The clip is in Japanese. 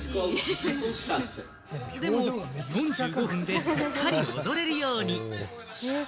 でも、４５分ですっかり踊れるように。